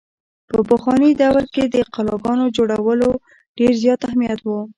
په پخواني دور کښې د قلاګانو جوړولو ډېر زيات اهميت وو۔